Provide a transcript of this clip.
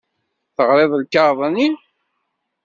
Teɣriḍ lkaɣeḍ-nni?